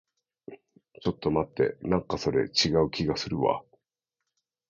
ちょっと待って。なんかそれ、違う気がするわ。